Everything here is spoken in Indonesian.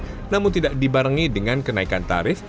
bbm naik namun tidak dibarengi dengan kenaikan tarif